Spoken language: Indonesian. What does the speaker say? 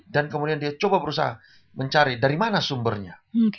dan kemudian dia coba berusaha mencari dari mana sumbernya